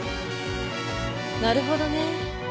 なるほどね。